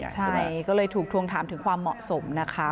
ใช่ก็เลยถูกทวงถามถึงความเหมาะสมนะคะ